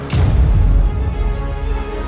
mas tuh makannya